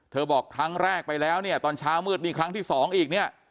บอกครั้งแรกไปแล้วเนี่ยตอนเช้ามืดนี่ครั้งที่สองอีกเนี่ย